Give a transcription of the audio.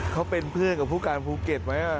เขาเป็นเพื่อนกับผู้การภูเก็ตไว้